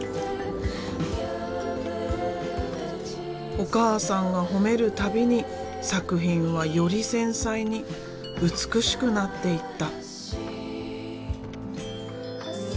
お母さんが褒める度に作品はより繊細に美しくなっていった。